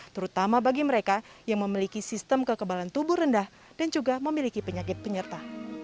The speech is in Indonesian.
terutama bagi mereka yang memiliki sistem kekebalan tubuh rendah dan juga memiliki penyakit penyerta